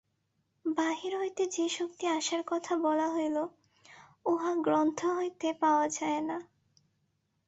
বাহির হইতে যে-শক্তি আসার কথা বলা হইল, উহা গ্রন্থ হইতে পাওয়া যায় না।